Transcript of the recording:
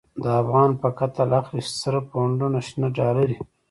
د افغان په قتل اخلی، سره پونډونه شنی ډالری